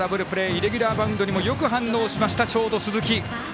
イレギュラーバウンドにもよく反応しましたショートの鈴木。